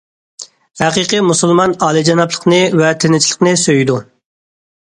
ھەقىقىي مۇسۇلمان ئالىيجانابلىقنى ۋە تىنچلىقنى سۆيىدۇ.